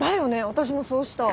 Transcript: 私もそうした。